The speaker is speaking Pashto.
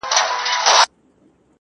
د سرو شرابو د خُمونو د غوغا لوري